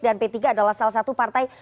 dan p tiga adalah salah satu partai